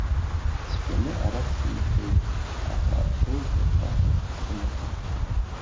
Сшәаны арахь сеихеит, аха хеиқәырхашьак сымаӡам.